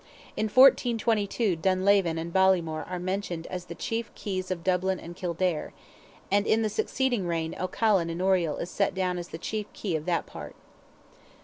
In 1422 Dunlavan and Ballymore are mentioned as the chief keys of Dublin and Kildare—and in the succeeding reign Callan in Oriel is set down as the chief key of that part.